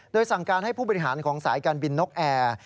โดยสั่งการให้ผู้บริหารของสายการบินนกแอร์